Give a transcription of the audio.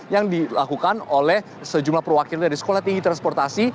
yang dilakukan oleh sejumlah perwakilan dari sekolah tinggi transportasi